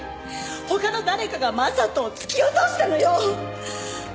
他の誰かが将人を突き落としたのよ！